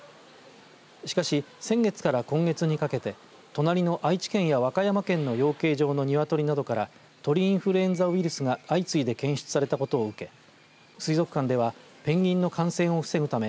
しかし、先月から今月にかけて隣の愛知県や和歌山県の養鶏場の鶏などから鳥インフルエンザウイルスが相次いで検出されたことを受け水族館ではペンギンの感染を防ぐため